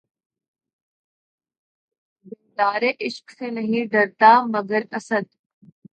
بیدادِ عشق سے نہیں ڈرتا، مگر اسد!